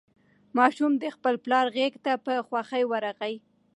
ماشوم د خپل پلار غېږې ته په خوښۍ ورغی.